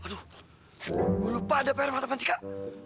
aduh gue lupa ada pr mata manti kak